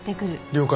了解。